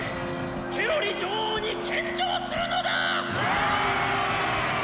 ケロリ女王に献上するのだ！」。